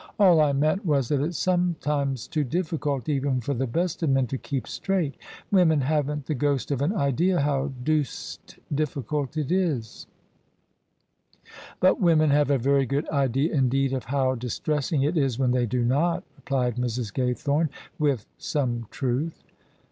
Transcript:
All I meant was that it's sometimes too difficult even for the best of men to keep straight: women haven't the ghost of an idea how deuced difficult it is I" " But women have a very good idea indeed of how dis tressing it is when they do not," replied Mrs. Gaythome, with some truth.